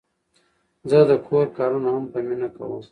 زه د کور کارونه هم په مینه کوم.